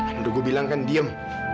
udah gua bilang kan diem